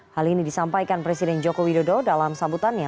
hal ini disampaikan presiden joko widodo dalam sambutannya